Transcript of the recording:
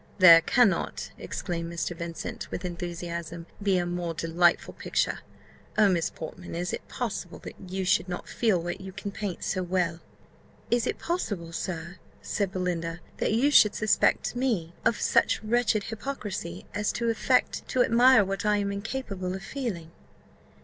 "There cannot," exclaimed Mr. Vincent, with enthusiasm, "be a more delightful picture! Oh, Miss Portman, is it possible that you should not feel what you can paint so well?" "Is it possible, sir," said Belinda, "that you should suspect me of such wretched hypocrisy, as to affect to admire what I am incapable of feeling?"